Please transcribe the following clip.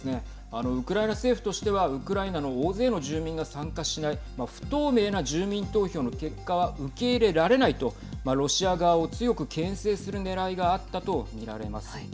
あのウクライナ政府としてはウクライナの大勢の住民が参加しない不透明な住民投票の結果は受け入れられないとロシア側を強く、けん制するねらいがあったと見られます。